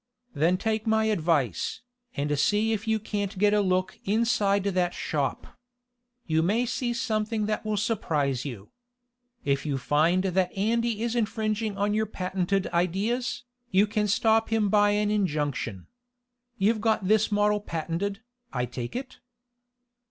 "Then take my advice, and see if you can't get a look inside that shop. You may see something that will surprise you. If you find that Andy is infringing on your patented ideas, you can stop him by an injunction. You've got this model patented, I take it?"